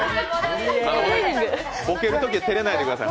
ボケるときは照れないでください。